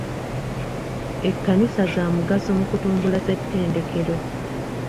Ekkanisa za mugaso mu kutumbula ssettendekero.